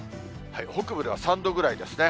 北部では３度ぐらいですね。